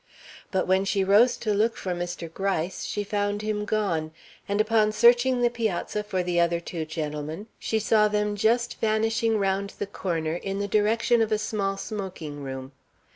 But when she rose to look for Mr. Gryce, she found him gone; and upon searching the piazza for the other two gentlemen, she saw them just vanishing round the corner in the direction of a small smoking room.